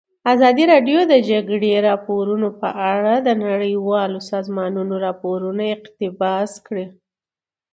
ازادي راډیو د د جګړې راپورونه په اړه د نړیوالو سازمانونو راپورونه اقتباس کړي.